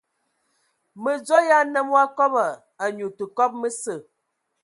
Mədzo ya nnəm wa kɔbɔ, anyu tə kɔbɔ məsə.